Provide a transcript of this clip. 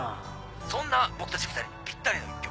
そんな僕たち２人にぴったりの一曲。